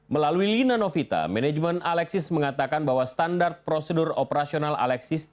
melalui lina novita manajemen alexis mengatakan bahwa standar prosedur operasional alexis